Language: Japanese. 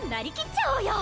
ちゃおうよ！